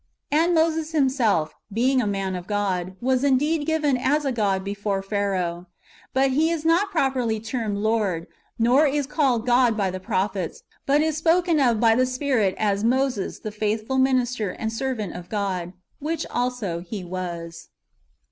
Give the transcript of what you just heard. "'' And Moses himself, being a man of God, was indeed given as a god before Pharaoh ;^ but he is not properly termed Lord, nor is called God by the prophets, but is spoken of by the Spirit as "Moses, the faithful minister and servant of God,"^ which also he was.